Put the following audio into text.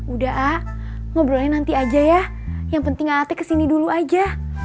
udah a ngobrolnya nanti aja ya yang penting alatnya kesini dulu aja